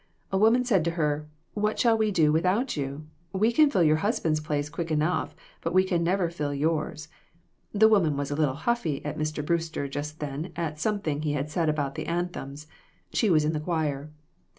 A woman said to her 'What shall we do without you? We can fill your husband's place quick enough, but we never can fill yours.' The woman was a little huffy at Mr. Brewster just then at some thing he had said about the anthems. She was in the choir.